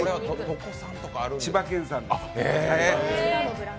千葉県産です。